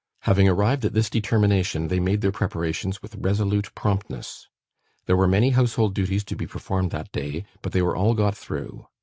Having arrived at this determination, they made their preparations with resolute promptness. There were many household duties to be performed that day; but they were all got through.